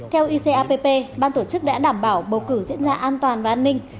theo icapp ban tổ chức đã đảm bảo bầu cử diễn ra an toàn và an ninh